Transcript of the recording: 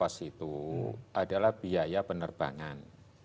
direct cost itu adalah biaya penerbangan